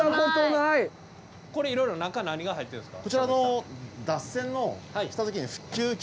これいろいろ中何が入ってるんですか？